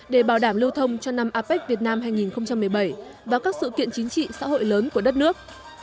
để bảo đảm lưu thông cho năm apec việt nam hai nghìn một mươi bảy và các sự kiện chính trị xã hội lớn của đất nước